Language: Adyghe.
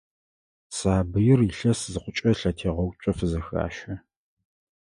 Сабыир илъэс зыхъукӀэ, лъэтегъэуцо фызэхащэ.